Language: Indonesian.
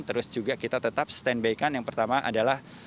terus juga kita tetap stand by kan yang pertama adalah